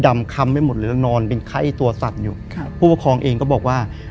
มาอีกครั้งขวา